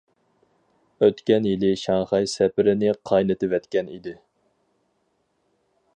ئۆتكەن يىلى شاڭخەي سەپىرىنى قاينىتىۋەتكەن ئىدى.